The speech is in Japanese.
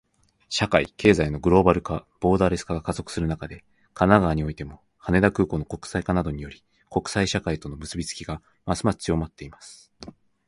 社会・経済のグローバル化、ボーダレス化が加速する中で、神奈川においても、羽田空港の国際化などにより、国際社会との結びつきがますます強まっています。